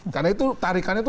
karena itu tarikannya itu